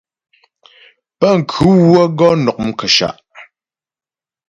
Pənkhʉ wə́ gɔ nɔ' mkəshâ'.